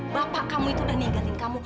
bapak kamu itu udah niatin kamu